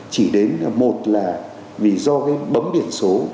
chỉ đến một là vì do cái bấm biển số